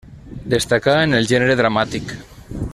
Destacà en el gènere dramàtic.